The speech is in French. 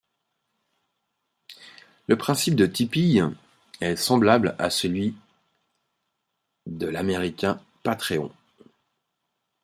Le principe de Tipeee est semblable à celui de l'américain Patreon.